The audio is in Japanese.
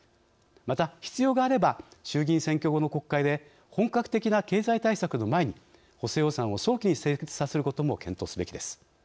また必要があれば衆議院選挙後の国会で本格的な経済対策の前に補正予算を早期に成立させることも検討すべきです。